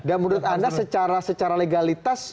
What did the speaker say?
dan menurut anda secara legalitas